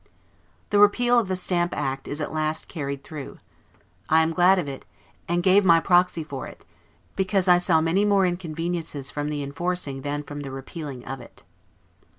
The repeal of the Stamp act is at last carried through. I am glad of it, and gave my proxy for it, because I saw many more inconveniences from the enforcing than from the repealing it.